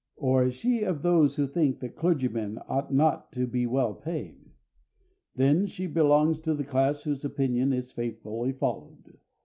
Or is she of those who think that clergymen ought not to be well paid? Then she belongs to the class whose opinion is faithfully followed.